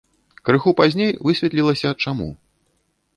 Крыху пазней высветлілася, чаму.